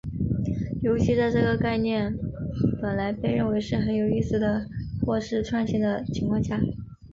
尤其在这个概念本来被认为是很有意思的或是创新的情况下。